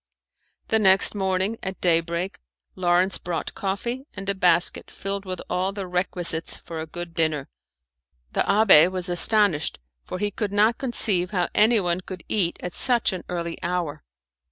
The next morning at day break, Lawrence brought coffee and a basket filled with all the requisites for a good dinner. The abbé was astonished, for he could not conceive how anyone could eat at such an early hour.